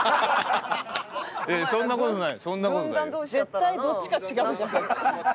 絶対どっちか違うじゃないですか。